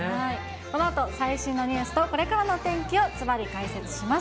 このあと最新のニュースとこれからの天気をずばり解説します。